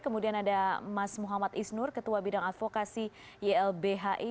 kemudian ada mas muhammad isnur ketua bidang advokasi ylbhi